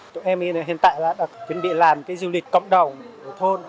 tụi em hiện tại đã chuẩn bị làm du lịch cộng đồng thôn